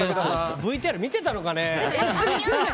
ＶＴＲ見てたのかね。